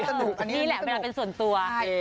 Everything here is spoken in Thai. อันนี้แหละเวลาเป็นส่วนตัว